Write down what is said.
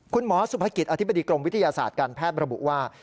คุณหมอสุภกิจอธิบดีกรมวิทยาศาสตร์การแพทย์ระบุว่า